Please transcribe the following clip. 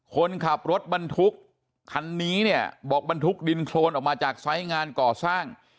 คนขับรถบรรทุกคันนี้เนี่ยบอกบรรทุกดินโครนออกมาจากไซส์งานก่อสร้าง